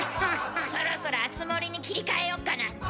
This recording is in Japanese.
そろそろあつ森に切り替えよっかなって。